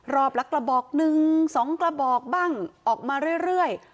รอบละกระบอกหนึ่งสองกระบอกบ้างออกมาเรื่อย